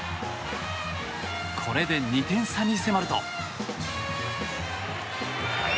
これで２点差に迫ると。